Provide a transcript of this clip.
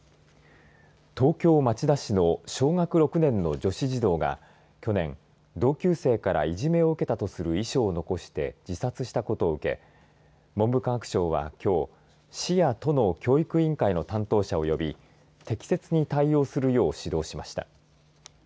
東京、町田市の小学６年の女子児童が去年、同級生からいじめを受けたとする遺書を残して自殺したことを受け文部科学省はきょう市や都の教育委員会の担当者を呼び適切に対応するよう指導しました。